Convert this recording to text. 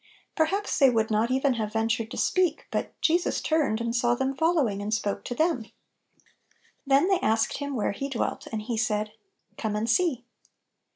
Perhaps they would not even have ventured to 50 Little Pillows. • speak, but, "Jesus turned, and saw them following," and spoke to them. Then they asked Him where He dwelt, and He said, " Come and see